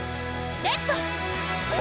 レッド！